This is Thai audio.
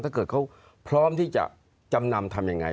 ถ้าเกิดเขาพร้อมที่จะจำนำทำยังไง